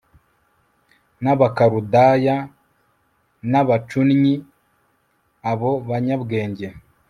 n Abakaludaya n abacunnyi Abo banyabwenge